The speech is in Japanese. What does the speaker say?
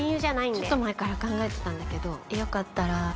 ちょっと前から考えてたんだけどよかったら。